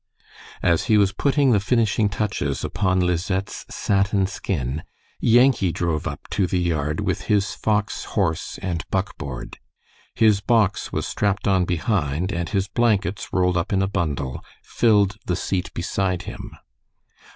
As he was putting the finishing touches upon Lisette's satin skin, Yankee drove up to the yard with his Fox horse and buckboard. His box was strapped on behind, and his blankets, rolled up in a bundle, filled the seat beside him.